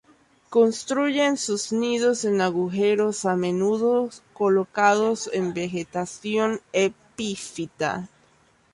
Construyen sus nidos en agujeros, a menudo colocados en vegetación epífita.